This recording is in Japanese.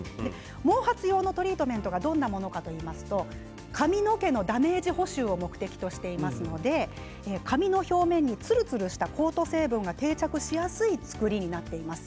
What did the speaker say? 毛髪用のトリートメントがどんなものかといいますと髪の毛のダメージ補修を目的としていますので髪の表面に、つるつるしたコート成分が定着しやすい作りになっています。